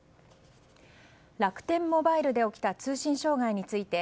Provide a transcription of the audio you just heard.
楽天モバイルで起きた通信障害について